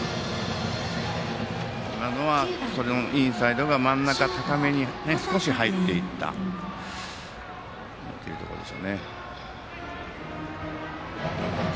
今のはインサイドが真ん中高めに少し入っていったというところでしょうね。